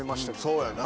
そうやなぁ。